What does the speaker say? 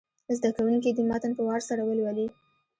زده کوونکي دې متن په وار سره ولولي.